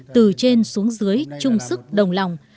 từ trên xuống dưới chung sức đồng lòng